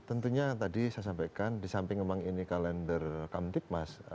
tentunya tadi saya sampaikan disamping emang ini kalender kamtik mas